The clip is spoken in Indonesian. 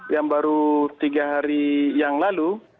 yang baru tiga hari yang lalu